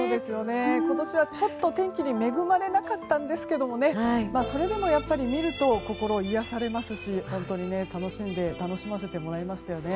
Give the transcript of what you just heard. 今年はちょっと天気に恵まれなかったんですがそれでも見ると心癒やされますし本当に楽しませてもらいましたよね。